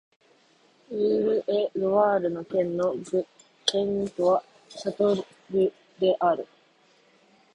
ウール＝エ＝ロワール県の県都はシャルトルである